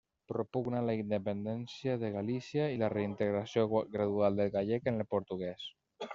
Propugna la independència de Galícia i la reintegració gradual del gallec en el portuguès.